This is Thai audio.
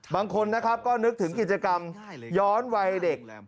บางคนนะครับก็นึกถึงกิจกรรมย้อนวัยเด็ก